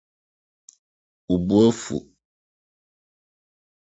Wo bo afuw.